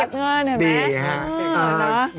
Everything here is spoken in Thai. เก็บแบงค์ต้องรู้จักเก็บเงินเหรอไหม